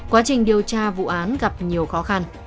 quá trình điều tra vụ án gặp nhiều khó khăn